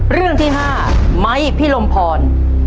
เรื่องที่๕ไหมพี่ลมพร